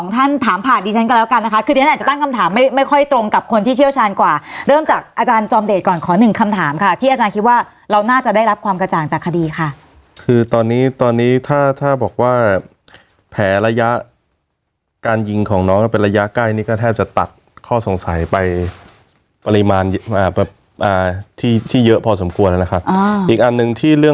ท่านถามผ่านดิฉันก็แล้วกันนะคะคือเรียนอาจจะตั้งคำถามไม่ไม่ค่อยตรงกับคนที่เชี่ยวชาญกว่าเริ่มจากอาจารย์จอมเดชก่อนขอหนึ่งคำถามค่ะที่อาจารย์คิดว่าเราน่าจะได้รับความกระจ่างจากคดีค่ะคือตอนนี้ตอนนี้ถ้าถ้าบอกว่าแผลระยะการยิงของน้องเป็นระยะใกล้นี่ก็แทบจะตัดข้อสงสัยไปปริมาณที่ที่เยอะพอสมควรแล้วนะครับอีกอันหนึ่งที่เรื่อง